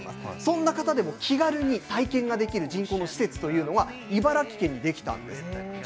そんな方でも気軽に体験ができる人工の施設というのが茨城県に出来たんです。